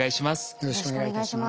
よろしくお願いします。